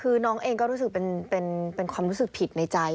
คือน้องเองก็รู้สึกเป็นความรู้สึกผิดในใจ